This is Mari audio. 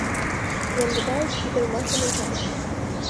Яндыбаев ӱдырамашым ончале.